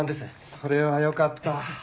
それはよかった。